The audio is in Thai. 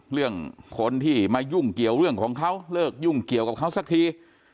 เรื่องคนที่มายุ่งเกี่ยวเรื่องของเขาเลิกยุ่งเกี่ยวกับเขาสักที